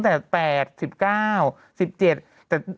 หรือแต่๘๑๙๑๗